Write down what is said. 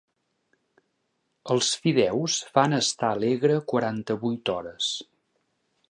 Els fideus fan estar alegre quaranta-vuit hores.